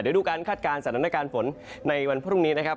เดี๋ยวดูการคาดการณ์สถานการณ์ฝนในวันพรุ่งนี้นะครับ